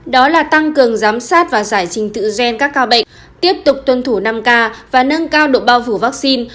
đó là tăng cường giám sát và giải trình tự gen các ca bệnh tiếp tục tuân thủ năm k và nâng cao độ bao phủ vaccine